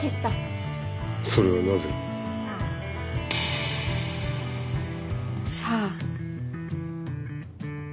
それはなぜ？さあ。